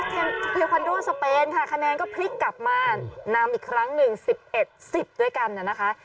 เทควันด้วยสเปนค่ะคะแนนก็พลิกกลับมานำอีกครั้งหนึ่งสิบเอ็ดสิบด้วยกันนะคะ